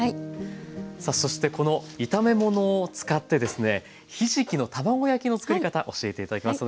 さあそしてこの炒め物を使ってですねひじきの卵焼きの作り方教えて頂きます。